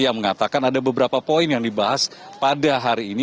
yang mengatakan ada beberapa poin yang dibahas pada hari ini